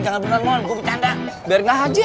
jangan beneran jangan beneran mohon gue bercanda